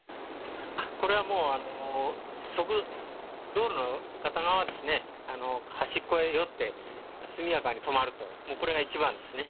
これはもう、道路の片側ですね、端っこへ寄って速やかに止まると、これが一番ですね。